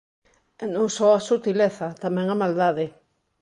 E non só a sutileza, tamén a maldade.